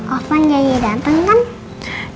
ovan janji datang kan